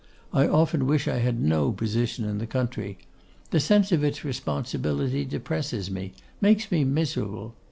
I often wish I had no position in the country. The sense of its responsibility depresses me; makes me miserable.